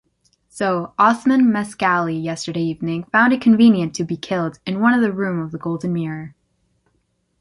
So, Osman Mascali yesterday evening found it convenient to get killed in one of the room of the Golden Mirror.